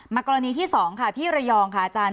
กรณีที่๒ค่ะที่ระยองค่ะอาจารย์